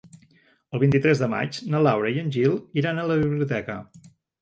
El vint-i-tres de maig na Laura i en Gil iran a la biblioteca.